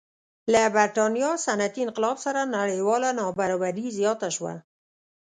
د برېټانیا صنعتي انقلاب سره نړیواله نابرابري زیاته شوه.